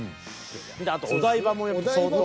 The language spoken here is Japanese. あと「お台場」も相当。